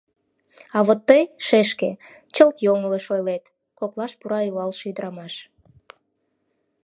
— А вот тый, шешке, чылт йоҥылыш ойлет, — коклаш пура илалше ӱдырамаш.